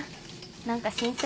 何か新鮮。